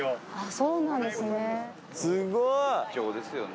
そうなんですね。